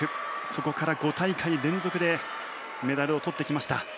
そこから５大会連続でメダルを取ってきました。